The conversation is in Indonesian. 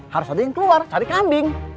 harus ada yang keluar cari kambing